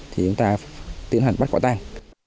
thì chúng ta tiến hành bắt quả tang